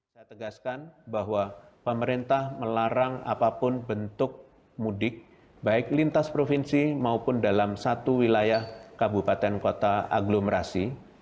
saya tegaskan bahwa pemerintah melarang apapun bentuk mudik baik lintas provinsi maupun dalam satu wilayah kabupaten kota aglomerasi